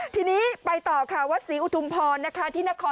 ทีนี้ไปต่อค่ะ